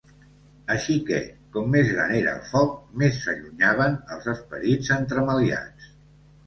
Així que, com més gran era el foc, més s'allunyaven els esperits entremaliats.